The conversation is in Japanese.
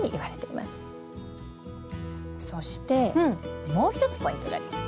そしてもう一つポイントがあります。